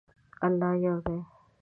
الله یو دی